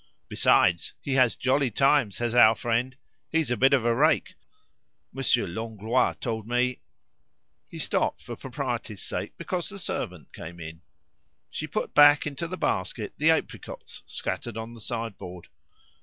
Besides, he has jolly times, has our friend. He's a bit of a rake. Monsieur Langlois told me " He stopped for propriety's sake because the servant came in. She put back into the basket the apricots scattered on the sideboard.